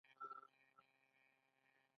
ژبه هم په قفس کې نه بندیږي.